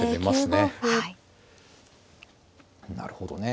なるほどね。